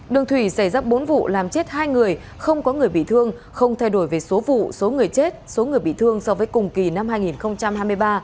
đường thủy xảy ra bốn vụ làm chết hai người không có người bị thương không thay đổi về số vụ số người chết số người bị thương so với cùng kỳ năm hai nghìn hai mươi ba